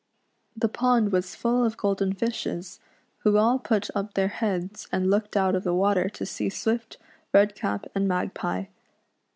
The pond was full of golden fishes, who all put up their heads and looked out of the water to see Swift, Redcap, and Magpie.